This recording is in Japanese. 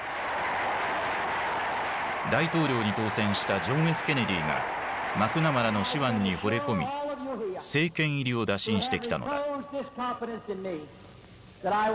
大統領に当選したジョン・Ｆ・ケネディがマクナマラの手腕にほれ込み政権入りを打診してきたのだ。